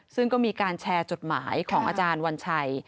ซึ่งก็มีการแชร์จดหมายของอาจารย์วัญชัย